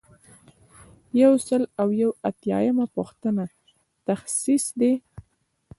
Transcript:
یو سل او یو اتیایمه پوښتنه تخصیص دی.